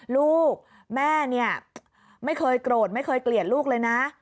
ลูกแม่เนี่ยไม่เคยโกรธไม่เคยเกลียดลูกเลยนะ